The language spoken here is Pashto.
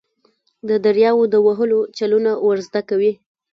د دریاوو د وهلو چلونه ور زده کوي.